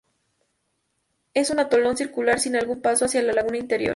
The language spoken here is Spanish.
Es un atolón circular sin algún paso hacia la laguna interior.